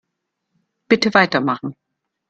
Bitte weitermachen.